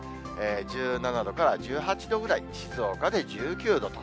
１７度から１８度ぐらい、静岡で１９度と、